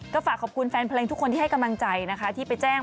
ก็ฝากขอบคุณแฟนเพลงทุกคนที่ให้กำลังใจนะคะที่ไปแจ้ง